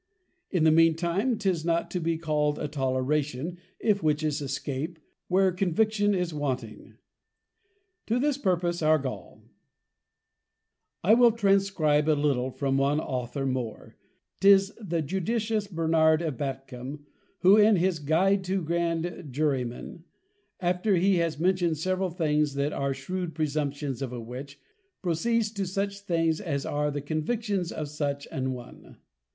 In the mean time 'tis not to be called a Toleration, if Witches escape, where Conviction is wanting.' To this purpose our Gaule. I will transcribe a little from one Author more, 'tis the Judicious Bernard of Batcomb, who in his Guide to grand Jurymen, after he has mention'd several things that are shrewd Presumptions of a Witch, proceeds to such things as are the Convictions of such an one.